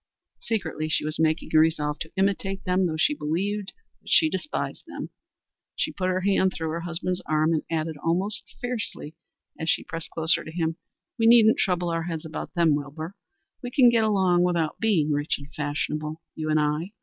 Secretly she was making a resolve to imitate them, though she believed that she despised them. She put her hand through her husband's arm and added, almost fiercely, as she pressed closer to him, "We needn't trouble our heads about them, Wilbur. We can get along without being rich and fashionable, you and I.